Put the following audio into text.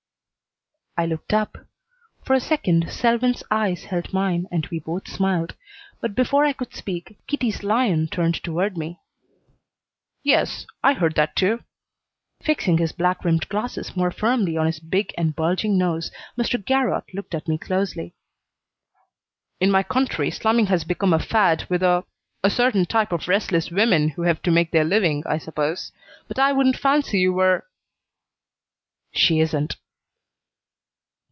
I looked up. For a second Selwyn's eyes held mine and we both smiled, but before I could speak Kitty's lion turned toward me. "Yes I heard that, too." Fixing his black rimmed glasses more firmly on his big and bulging nose, Mr. Garrott looked at me closely. "In my country slumming has become a fad with a a certain type of restless women who have to make their living, I suppose. But I wouldn't fancy you were " "She isn't."